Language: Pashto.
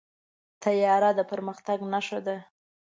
طیاره د پرمختګ نښه ده.